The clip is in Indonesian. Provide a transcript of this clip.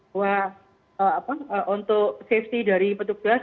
bahwa untuk safety dari petugas